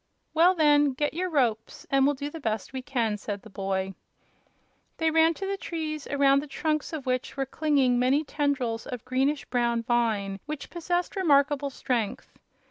"Well, then, get your ropes, and we'll do the best we can," said the boy. They ran to the trees, around the trunks of which were clinging many tendrils of greenish brown vine which possessed remarkable strength.